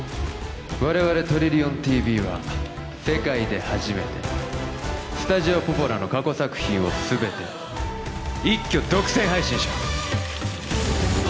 我々トリリオンＴＶは世界で初めてスタジオポポラの過去作品を全て一挙独占配信します